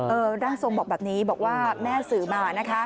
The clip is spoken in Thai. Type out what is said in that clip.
ร่างทรงบอกแบบนี้บอกว่าแม่สื่อมานะคะ